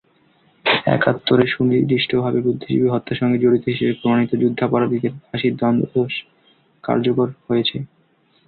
একাত্তরে সুনির্দিষ্টভাবে বুদ্ধিজীবী হত্যার সঙ্গে জড়িত হিসেবে প্রমাণিত যুদ্ধাপরাধীদের ফাঁসির দণ্ডােদশ কার্যকর হয়েছে।